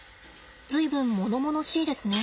随分ものものしいですね。